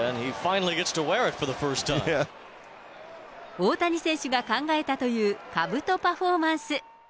大谷選手が考えたというかぶとパフォーマンス。